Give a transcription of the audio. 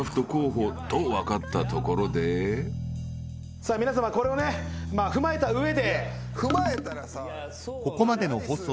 さあ皆さまこれをね踏まえた上で。